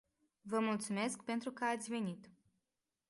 Vă mulțumesc pentru că ați venit.